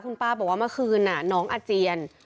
คุณป้าบอกว่าเมื่อคืนน้องอาเจียน